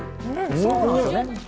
そうなんですよね。